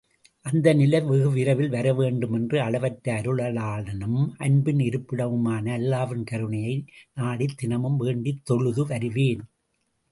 அந்த நிலை வெகுவிரைவில் வரவேண்டுமென்று அளவற்ற அருளாளனும் அன்பின் இருப்பிடமுமான அல்லாவின் கருணையை நாடித்தினமும் வேண்டித்தொழுது வருவேன்.